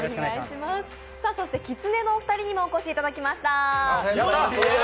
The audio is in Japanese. きつねのお二人にもお越しいただきました。